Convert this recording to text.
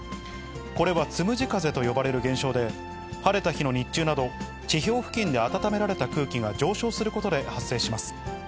これはつむじ風と呼ばれる現象で、晴れた日の日中など、地表付近で温められた空気が上昇することで発生します。